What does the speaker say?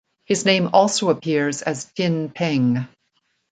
His name also appears as Tin Peng.